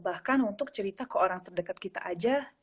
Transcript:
bahkan untuk cerita ke orang terdekat kita aja